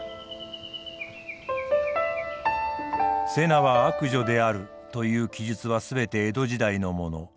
「瀬名は悪女である」という記述は全て江戸時代のもの。